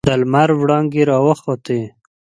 د لمر وړانګې راوخوتې.